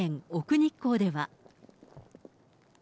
日光では。